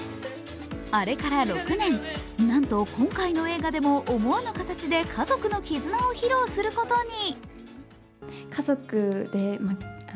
あれから６年、なんと今回の映画でも思わぬ形で家族の絆を披露することに。